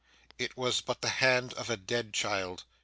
It was but the hand of a dead child.